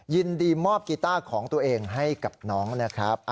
ยินดีมอบกีต้าของตัวเองให้กับน้องนะครับ